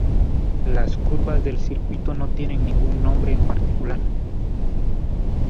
Las curvas del circuito no tienen ningún nombre en particular.